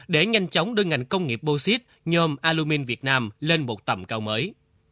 để nhanh chóng đưa ngành công nghiệp bô xít nhôm alumin việt nam lên một tầm cao mới